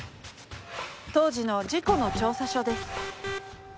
現在当時の事故の調査書です。